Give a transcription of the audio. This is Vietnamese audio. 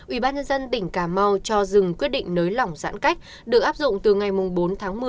ubnd tỉnh cà mau cho dừng quyết định nới lỏng giãn cách được áp dụng từ ngày bốn tháng một mươi